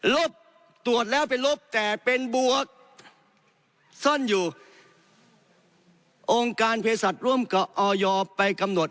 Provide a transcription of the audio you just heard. ลบตรวจแล้วเป็นลบแต่เป็นบวกซ่อนอยู่องค์การเพศสัตว์ร่วมกับออยไปกำหนด